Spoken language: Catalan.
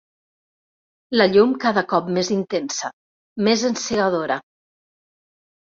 La llum cada cop més intensa, més encegadora.